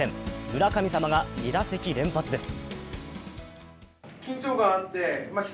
村神様が２打席連発です。